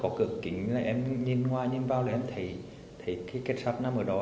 có cửa kính là em nhìn hòa nhìn vào là em thấy cái kết sắt nằm ở đó